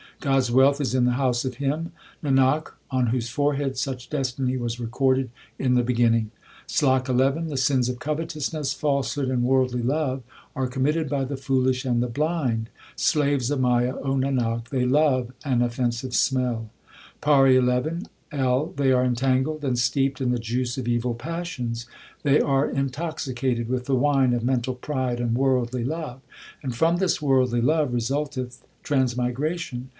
God s wealth is in the house of him, Nanak, on whose forehead such destiny was recorded in the beginning. SLOK XI The sins of covetousness, falsehood, and worldly love are committed by the foolish and the blind ; Slaves of Maya, O Nanak, they love an offensive smell. 1 PAURI XI L. They are entangled and steeped in the juice of evil passions ; They are intoxicated with the wine of mental pride and worldly love ; And from this worldly love result eth transmigration.